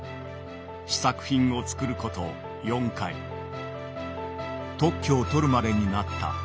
試作品を作ること４回特許を取るまでになった。